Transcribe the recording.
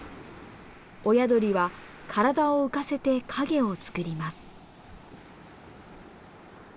親鳥は体を浮かせて陰を作ります。